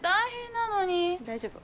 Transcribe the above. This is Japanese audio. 大丈夫。